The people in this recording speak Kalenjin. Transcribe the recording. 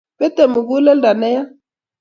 Bite muguleldo neya